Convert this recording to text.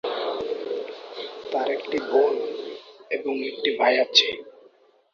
তার একটি বোন এবং একটি ভাই আছে।